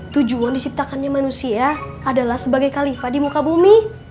tujuan diciptakannya manusia adalah sebagai kalifah di muka bumi